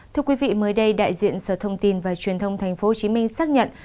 thưa quý vị mới đây đại diện sở thông tin và truyền thông tp hcm xác nhận